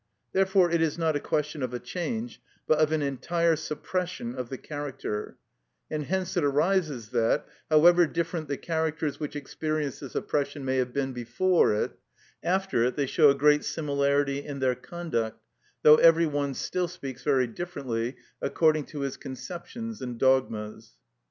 Therefore it is not a question of a change, but of an entire suppression of the character; and hence it arises that, however different the characters which experience the suppression may have been before it, after it they show a great similarity in their conduct, though every one still speaks very differently according to his conceptions and dogmas.